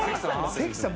関さん